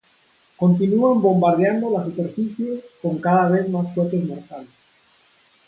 Continúan bombardeando la superficie con cada vez más cohetes mortales.